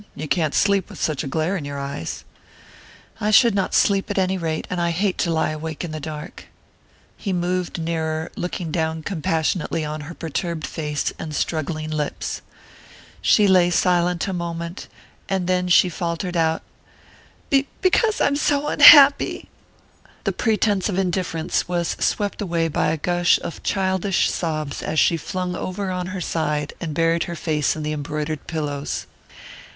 You can't sleep with such a glare in your eyes." "I should not sleep at any rate; and I hate to lie awake in the dark." "Why shouldn't you sleep?" He moved nearer, looking down compassionately on her perturbed face and struggling lips. She lay silent a moment; then she faltered out: "B because I'm so unhappy!" The pretense of indifference was swept away by a gush of childish sobs as she flung over on her side and buried her face in the embroidered pillows.